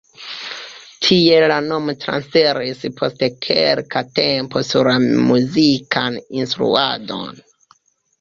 Tiel la nomo transiris post kelka tempo sur la muzikan instruadon.